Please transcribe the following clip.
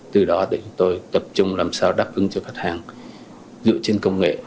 từ đó để chúng tôi tập trung làm sao đáp ứng cho khách hàng dựa trên công nghệ